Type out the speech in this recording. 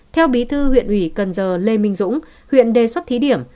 theo bí thư huyện ủy cần giờ lê minh dũng huyện đề xuất thí điểm